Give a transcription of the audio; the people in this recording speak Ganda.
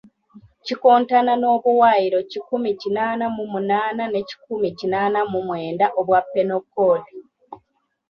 Kikontana n'obuwayiro kikumi kinaana mu munaana ne kikumi kinaana mu mwenda obwa Penal Code.